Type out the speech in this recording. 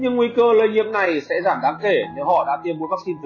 nhưng nguy cơ lây nhiễm này sẽ giảm đáng kể nếu họ đã tiêm mũi vaccine thứ ba